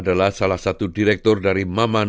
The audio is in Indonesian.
tapi hal seperti minuman